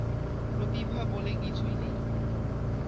প্রতিভা বলে কিছুই নাই।